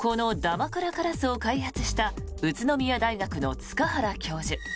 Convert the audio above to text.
まくらカラスを開発した宇都宮大学の塚原教授。